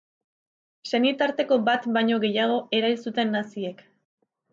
Senitarteko bat baino gehiago erail zuten naziek.